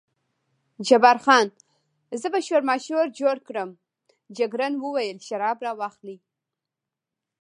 جبار خان: زه به شورماشور جوړ کړم، جګړن وویل شراب را واخلئ.